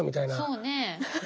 そうねえ。